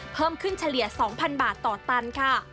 เพิ่มขึ้นเฉลี่ย๒๐๐๐บาทต่อตันค่ะ